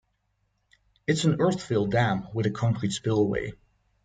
It is an earthfill dam with a concrete spillway.